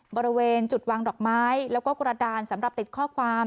บริเวณจุดวางดอกไม้แล้วก็กระดานสำหรับติดข้อความ